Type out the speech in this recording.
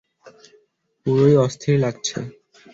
পুরোই অস্থির লাগছে।